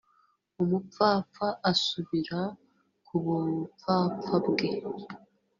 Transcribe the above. umupfapfa asubira ku bupfapfa bwe